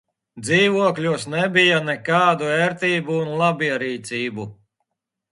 Dzīvokļos nebija nekādu ērtību un labierīcību.